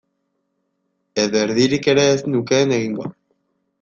Edo erdirik ere ez nukeen egingo.